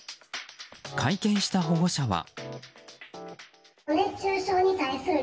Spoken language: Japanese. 会見した保護者は。